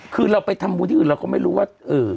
คือเราไปทำบุญที่อื่นเราก็ไม่รู้ว่า